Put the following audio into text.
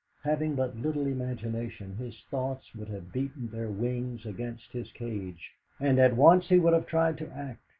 Having but little imagination, his thoughts would have beaten their wings against this cage, and at once he would have tried to act.